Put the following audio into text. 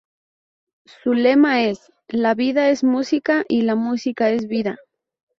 Su lema es: "La vida es música y la música es vida.